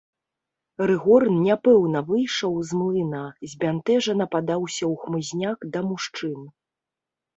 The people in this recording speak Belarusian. Рыгор няпэўна выйшаў з млына, збянтэжана падаўся ў хмызняк да мужчын.